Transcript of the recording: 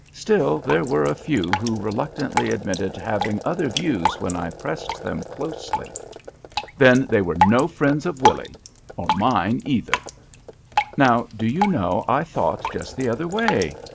Still, there were a few who reluctantly admitted having other views when I pressed them closely." "Then they were no friends of Willy's, or mine either!" "Now, do you know, I thought just the other way?